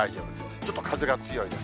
ちょっと風が強いです。